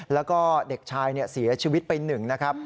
แล้วก็เด็กชายเสียชีวิตไป๑นะครับ